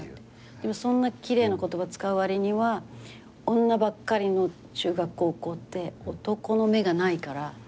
でもそんな奇麗な言葉使うわりには女ばっかりの中学高校って男の目がないからやりたい放題。